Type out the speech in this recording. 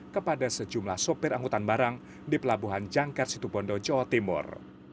kepada sejumlah sopir angkutan barang di pelabuhan jangkar situbondo jawa timur